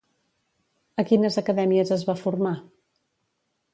A quines acadèmies es va formar?